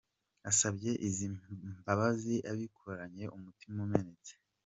asabye izi mbabazi abikoranye umutima umenetse.